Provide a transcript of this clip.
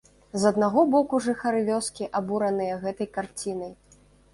З аднаго боку жыхары вёскі абураныя гэтай карцінай.